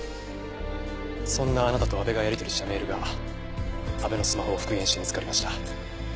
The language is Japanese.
そんなあなたと阿部がやり取りしたメールが阿部のスマホを復元して見つかりました。